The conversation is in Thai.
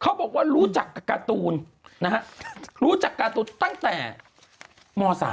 เขาบอกว่ารู้จักการ์ตูนตั้งแต่ม๓